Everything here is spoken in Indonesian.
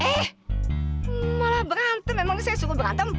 eh malah berantem memang saya suka berantem